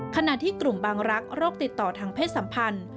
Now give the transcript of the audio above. ขณะที่กลุ่มบางรักโรคติดต่อทางเพศสัมพันธ์